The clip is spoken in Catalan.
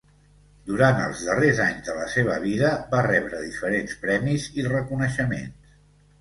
Durant els darrers anys de la seva vida va rebre diferents premis i reconeixements.